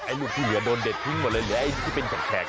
อัยอยู่ที่เหลือโดนเด็ดพลิ้งหมดเลยเหลือที่เป็นจังแขก